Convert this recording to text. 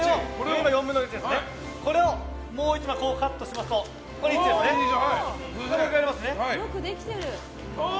これをもう１回カットしますともう１回やりますね。